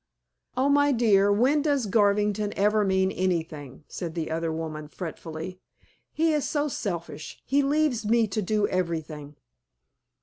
"Oh, my dear, when does Garvington ever mean anything?" said the other woman fretfully. "He is so selfish; he leaves me to do everything."